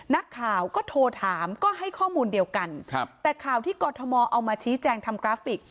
นักข่าวก็โทรถามก็ให้ข้อมูลเดียวกันครับแต่ข่าวที่กรทมเอามาชี้แจงทำกราฟิก